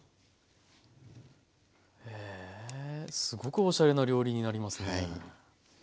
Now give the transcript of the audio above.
すごくおしゃれな料理になりますね。